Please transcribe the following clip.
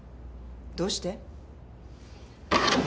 どうして？